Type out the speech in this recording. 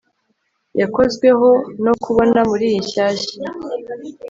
Yakozweho no kubona muriyi nshyashya